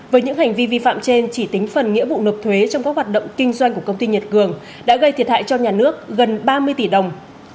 với những hành vi vi phạm trên chỉ tính phần nghĩa vụ nộp thuế trong các hoạt động kinh doanh của công ty nhật cường đã gây thiệt hại cho nhà nước gần ba mươi tỷ đồng